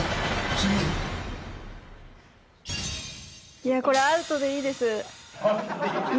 いや、これ、アウトでいい？